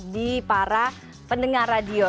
di para pendengar radio